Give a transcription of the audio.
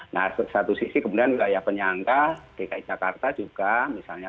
nah satu sisi kemudian wilayah penyangka dki jakarta juga misalnya